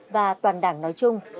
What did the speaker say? và toàn đảng nói riêng